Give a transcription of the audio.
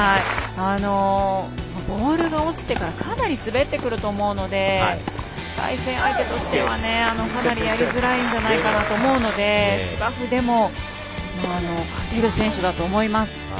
ボールが落ちてからかなり滑ってくると思うので対戦相手としてはかなりやりづらいんじゃないかなと思うので、芝生でも勝てる選手だと思います。